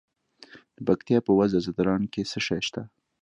د پکتیا په وزه ځدراڼ کې څه شی شته؟